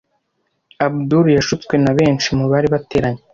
Abudul yashutswe nabenshi mubari bateranye.